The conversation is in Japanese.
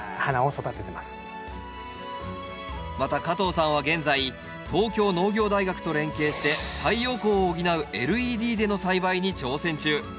加藤さんは現在東京農業大学と連携して太陽光を補うＬＥＤでの栽培に挑戦中。